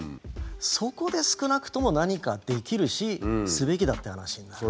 そこで少なくとも何かできるしすべきだっていう話になる。